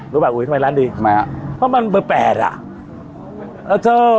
รู้เปล่าอุ๊ยทำไมร้านดีทำไมฮะความมันเบิดแปดอ่ะโอ้โห